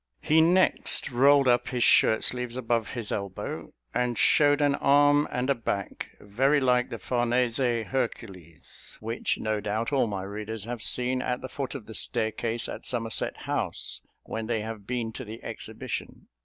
He next rolled up his shirt sleeves above his elbow, and showed an arm and a back very like the Farnese Hercules, which, no doubt, all my readers have seen at the foot of the staircase at Somerset house, when they have been to the exhibition.